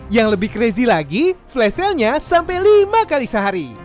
yang lebih crezy lagi flash sale nya sampai lima kali sehari